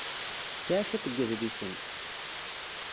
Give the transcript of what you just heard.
Tesɛa cwiṭ n yedlisen.